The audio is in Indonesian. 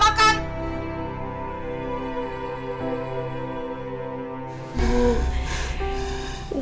pake kamu sengaja bales malesan